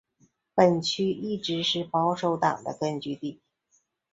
本区一直是保守党的根据地。